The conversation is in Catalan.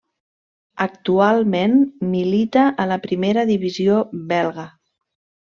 Actualment milita a la primera divisió belga.